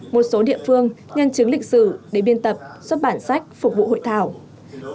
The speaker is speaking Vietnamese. một số địa phương nhân chứng lịch sử để biên tập xuất bản sách phục vụ hội thảo